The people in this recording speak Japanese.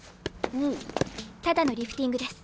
ただのリフティングです。